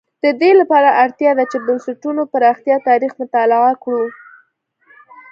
د دې لپاره اړتیا ده چې د بنسټونو پراختیا تاریخ مطالعه کړو.